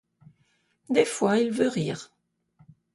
Des fois, il veut rire.